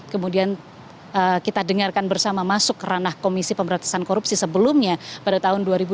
kemudian kita dengarkan bersama masuk ranah komisi pemberantasan korupsi sebelumnya pada tahun dua ribu dua puluh